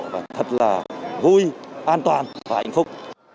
và thật là vui an toàn và hạnh phúc